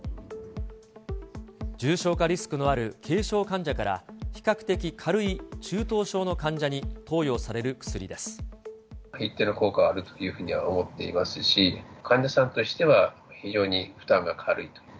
重症化リスクのある軽症患者から比較的軽い中等症の患者に投与さ一定の効果はあるというふうには思っていますし、患者さんとしては非常に負担が軽いと。